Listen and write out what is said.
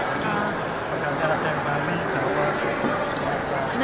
jadi perjantan dan bali jawa sumatera